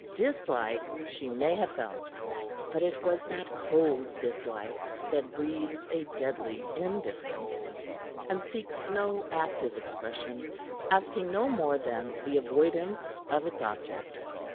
Dislike she may have felt; but it was that cold dislike that breeds a deadly indifference, and seeks no active expression, asking no more than the avoidance of its object.